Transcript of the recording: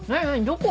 どこ？